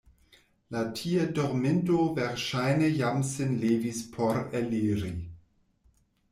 La tie dorminto verŝajne jam sin levis por eliri.